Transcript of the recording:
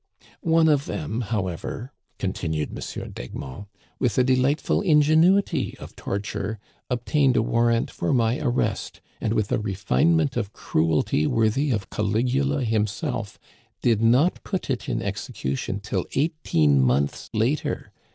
One of them, however," continued M. d'Egmont, with a delightful ingenuity of torture, obtained a war rant for my arrest, and with a refinement of cruelty worthy of Caligula himself, did not put it in execu tion till eighteen months later.